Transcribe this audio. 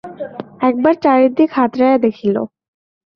এক বার চারিদিক হাতড়াইয়া দেখিল।